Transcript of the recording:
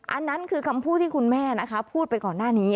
อันนั้นคือคำพูดที่คุณแม่นะคะพูดไปก่อนหน้านี้